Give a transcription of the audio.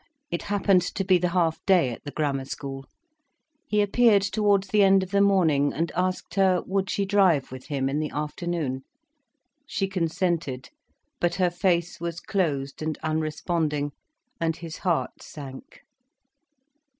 It happened to be the half day at the Grammar School. He appeared towards the end of the morning, and asked her, would she drive with him in the afternoon. She consented. But her face was closed and unresponding, and his heart sank.